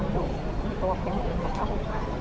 มีตัวเพลงหมดแล้ว